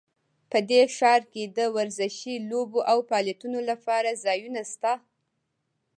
په دې ښار کې د ورزشي لوبو او فعالیتونو لپاره ځایونه شته